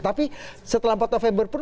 tapi setelah empat november pun